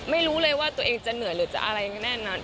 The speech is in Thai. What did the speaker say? ไม่รู้เลยว่าตัวเองจะเหนื่อยหรือจะอะไรแน่นอน